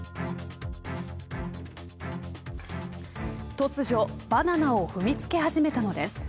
突如バナナを踏みつけ始めたのです。